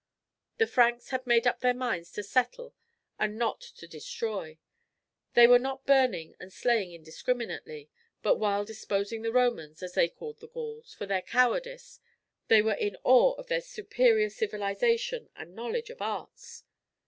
The Franks had made up their minds to settle and not to destroy. They were not burning and slaying indiscriminately, but while despising the Romans, as they called the Gauls, for their cowardice, they were in awe of their superior civilization and knowledge of arts.